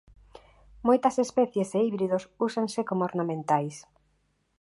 Moitas especies e híbridos úsanse coma ornamentais.